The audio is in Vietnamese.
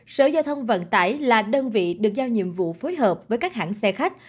sở giao thông vận tải là đơn vị được giao nhiệm vụ phối hợp với các hãng xe khách